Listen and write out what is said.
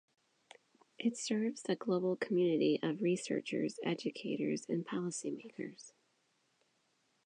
It serves the global community of researchers, educators and policy makers.